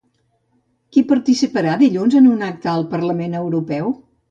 Qui participarà dilluns en un acte al Parlament Europeu?